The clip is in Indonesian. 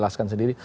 kalau anda sendiri